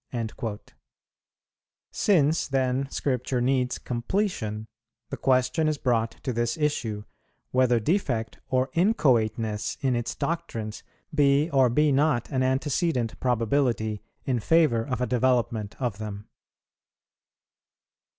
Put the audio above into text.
"[62:1] Since then Scripture needs completion, the question is brought to this issue, whether defect or inchoateness in its doctrines be or be not an antecedent probability in favour of a development of them.